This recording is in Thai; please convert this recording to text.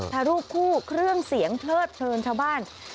ถ่ายรูปคู่เครื่องเสียงเพลิดเพลินชาวบ้าน